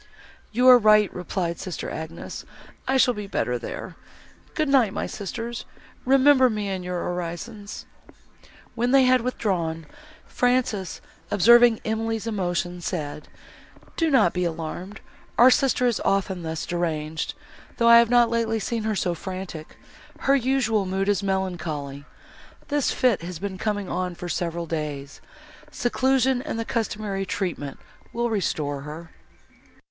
"You are right," replied sister Agnes, "I shall be better there. Good night, my sisters, remember me in your orisons." When they had withdrawn, Frances, observing Emily's emotion, said, "Do not be alarmed, our sister is often thus deranged, though I have not lately seen her so frantic; her usual mood is melancholy. This fit has been coming on, for several days; seclusion and the customary treatment will restore her."